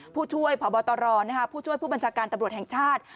ผู้ช่วยพบตรผู้ช่วยผู้บัญชาการตำรวจแห่งชาติ